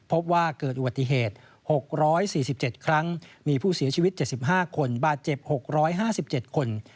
พบว่าเกิดอุบัติเหตุ๖๔๗ครั้งมีผู้เสียชีวิต๗๕คนบาดเจ็บ๖๕๗คน